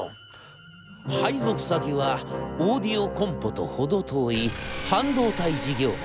配属先はオーディオコンポと程遠い半導体事業部。